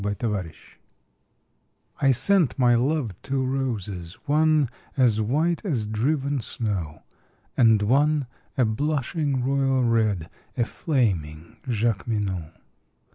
The White Flag I sent my love two roses, one As white as driven snow, And one a blushing royal red, A flaming Jacqueminot.